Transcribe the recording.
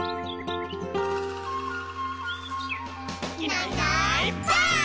「いないいないばあっ！」